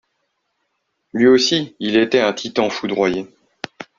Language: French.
Lui aussi, il etait un Titan foudroyé.